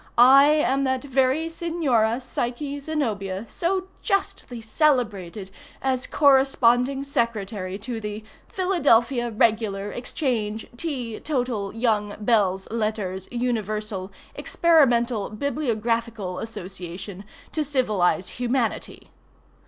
I am that very Signora Psyche Zenobia, so justly celebrated as corresponding secretary to the "Philadelphia, Regular, Exchange, Tea, Total, Young, Belles, Lettres, Universal, Experimental, Bibliographical, Association, To, Civilize, Humanity."